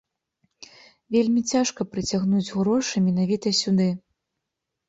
Вельмі цяжка прыцягнуць грошы менавіта сюды.